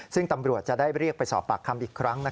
ซึ่งตำรวจจะได้เรียกไปสอบปากคำอีกครั้ง